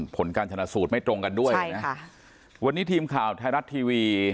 ผลการชนะสูตรไม่ตรงกันด้วยนะคะวันนี้ทีมข่าวไทยรัฐทีวี